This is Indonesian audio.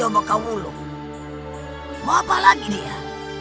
mau apa lagi dia